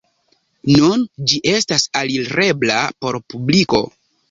Nun ĝi estas alirebla por publiko.